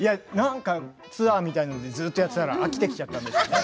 ツアーみたいにずっとやっていたら飽きちゃったんですね